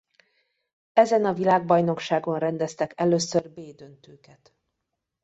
Ezen a világbajnokságon rendeztek először B döntőket.